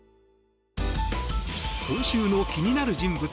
今週の気になる人物